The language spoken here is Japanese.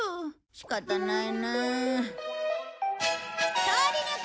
仕方ないなあ。